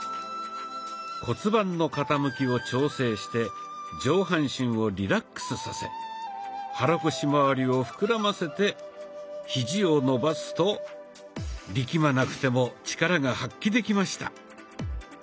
骨盤の傾きを調整して上半身をリラックスさせ肚腰まわりを膨らませてヒジを伸ばすと力まなくても力が発揮できました。